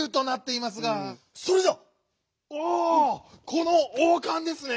この王かんですね！